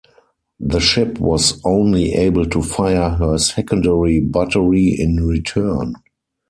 The ship was only able to fire her secondary battery in return.